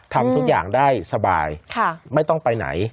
ทำทุกอย่างได้สบายไม่ต้องไปไหน